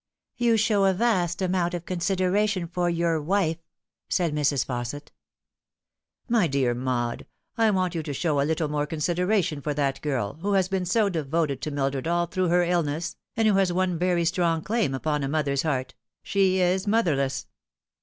"You phow a vast amount of consideration for your wife," said Mrs. Fausset. " My dear Maud, I want you to show a little more considera tion for that girl, who has been so devoted to Mildred all through her il!ne?s, and who has one very strong claim upon a mother's heart she is motherless."